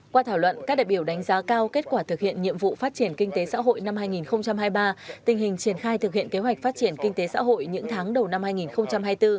qua thảo luận các đại biểu đánh giá cao kết quả thực hiện nhiệm vụ phát triển kinh tế xã hội năm hai nghìn hai mươi ba tình hình triển khai thực hiện kế hoạch phát triển kinh tế xã hội những tháng đầu năm hai nghìn hai mươi bốn